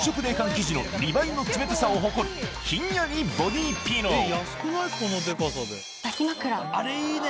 生地の２倍の冷たさを誇るひんやりボディピローあれいいね。